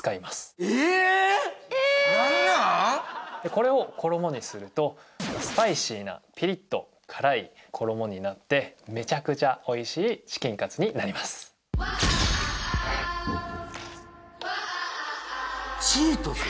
これを衣にするとスパイシーなピリッと辛い衣になってめちゃくちゃおいしいチキンカツになりますチートス